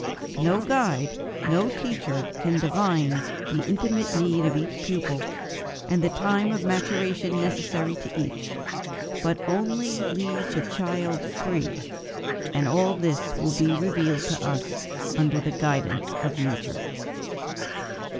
No guide, no teacher can divine the intimate need of each pupil, and the time of maturation necessary to each; but only leave the child free, and all this will be revealed to us under the guidance of nature.